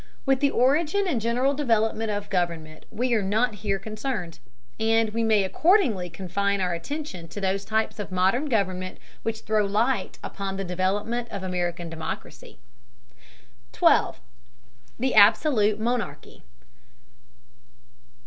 With the origin and general development of government we are not here concerned, and we may accordingly confine our attention to those types of modern government which throw light upon the development of American democracy. 12. THE ABSOULUTE MONARCHY.